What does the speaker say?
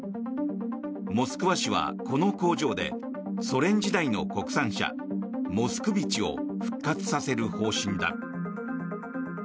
モスクワ市はこの工場でソ連時代の国産車モスクビチを復活させる方針だ。